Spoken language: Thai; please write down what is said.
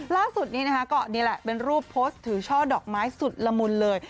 ล่าสุดนี้นะคะก็นี่แหละเป็นรูปโพสต์ถือช่อดอกไม้สุดละมุนเลย